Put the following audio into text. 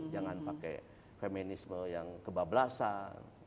jangan pakai feminisme yang kebablasan